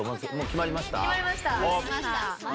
決まりました。